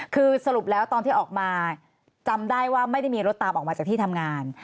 คือสรุปแล้วตอนที่ออกมาจำได้ว่าไม่ได้มีรถตามออกมาจากที่ทำงาน